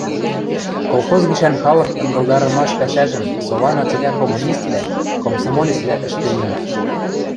Колхоз гишӓн халык ынгылдарымаш пӓшӓжӹм солана цилӓ коммуниствлӓ, комсомолецвлӓ ӹштеннӓ.